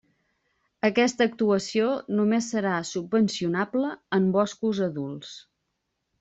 Aquesta actuació només serà subvencionable en boscos adults.